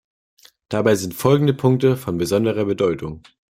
Dabei sind folgende Punkte von besonderer Bedeutung.